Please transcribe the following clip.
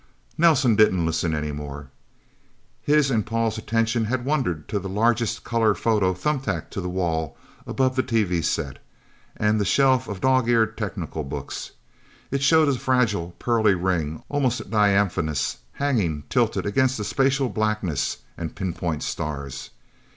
Nelsen didn't listen anymore. His and Paul's attention had wandered to the largest color photo thumbtacked to the wall, above the TV set, and the shelf of dog eared technical books. It showed a fragile, pearly ring, almost diaphanous, hanging tilted against spatial blackness and pinpoint stars.